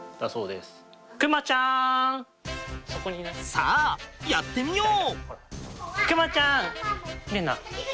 さあやってみよう！